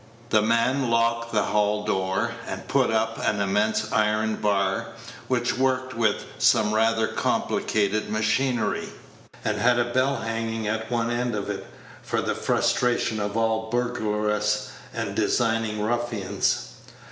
The man locked the hall door, and put up an immense iron bar, which worked with some rather complicated machinery, and had a bell hanging at one end of it, for the frustration of all burglarious and designing ruffians.